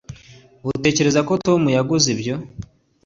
utekereza ko tom yaguze ibyo